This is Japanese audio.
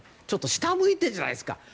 ちょっと下を向いているじゃないですか。